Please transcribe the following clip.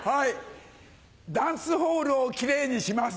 ダンスホールをキレイにします！